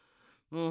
うん。